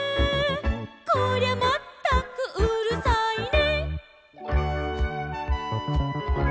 「こりゃまったくうるさいね」